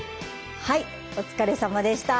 はいお疲れさまでした。